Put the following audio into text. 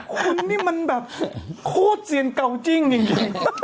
คนนี้มันแบบโคตรเซียนเกาจิ้งอย่างนี้